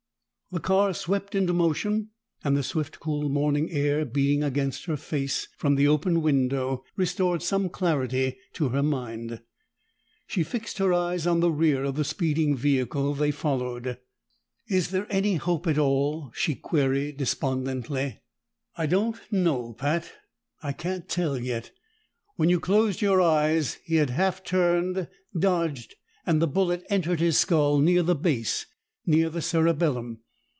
The car swept into motion, and the swift cool morning air beating against her face from the open window restored some clarity to her mind. She fixed her eyes on the rear of the speeding vehicle they followed. "Is there any hope at all?" she queried despondently. "I don't know, Pat. I can't tell yet. When you closed your eyes, he half turned, dodged; the bullet entered his skull near the base, near the cerebellum.